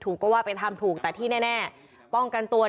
ก็ว่าไปทำถูกแต่ที่แน่ป้องกันตัว